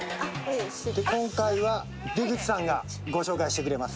今回は出口さんがご紹介してくれます。